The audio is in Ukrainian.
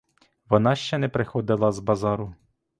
Вона ще не приходила з базару.